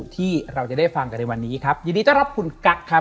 ที่เราจะได้ฟังกันในวันนี้ครับยินดีต้อนรับคุณกั๊กครับ